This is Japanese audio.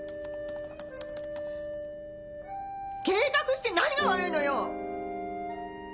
計画して何が悪いのよ！